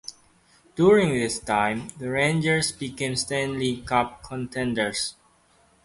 During this time, the Rangers became Stanley Cup contenders.